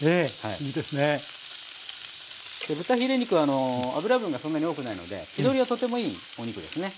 豚ヒレ肉は脂分がそんなに多くないので火通りがとてもいいお肉ですね。